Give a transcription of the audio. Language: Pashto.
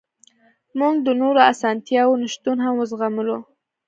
موږ د نورو اسانتیاوو نشتون هم وزغملو